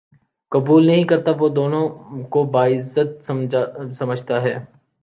قبول نہیں کرتا وہ دونوں کو باعزت سمجھتا ہے